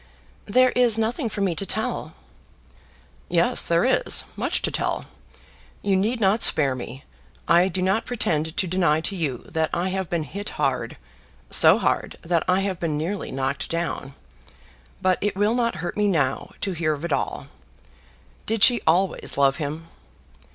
"There is nothing for me to tell." "Yes there is; much to tell. You need not spare me. I do not pretend to deny to you that I have been hit hard, so hard, that I have been nearly knocked down; but it will not hurt me now to hear of it all. Did she always love him?"